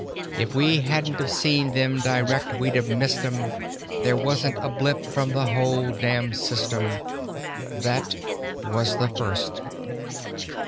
If we hadn't of seen them direct we'd of missed 'em; There wasn't a blip from the whole damn system. That was the first.